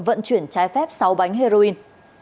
vận chuyển trái phép sáu bánh heroin